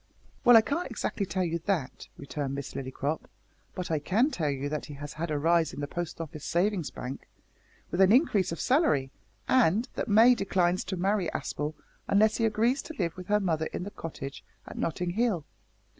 "Well, I can't exactly tell you that," returned Miss Lillycrop, "but I can tell you that he has had a rise in the Post Office Savings Bank, with an increase of salary, and that May declines to marry Aspel unless he agrees to live with her mother in the cottage at Nottinghill.